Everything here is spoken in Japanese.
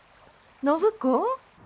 暢子？